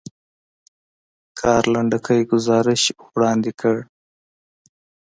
کار لنډکی ګزارش وړاندې کړ.